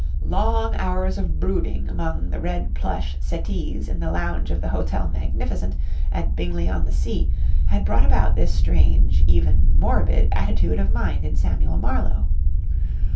Long hours of brooding among the red plush settees in the lounge of the Hotel Magnificent at Bingley on the Sea had brought about this strange, even morbid, attitude of mind in Samuel Marlowe.